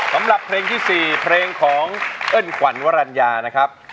สำหรับเพลงที่๔เพลงของเอิ้นขวัญวรรณญานะครับ